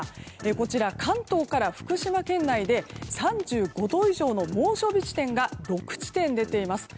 こちら、関東から福島県内で３５度以上の猛暑日地点が６地点、出ています。